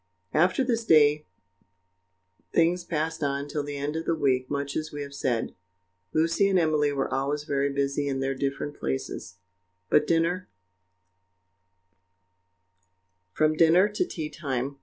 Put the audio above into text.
After this day, things passed on till the end of the week much as we have said. Lucy and Emily were always very busy in their different places, from dinner to tea time.